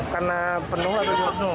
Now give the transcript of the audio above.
karena penuh atau